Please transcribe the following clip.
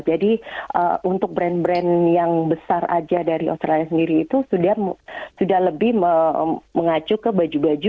jadi untuk brand brand yang besar saja dari australia sendiri itu sudah lebih mengacu ke baju baju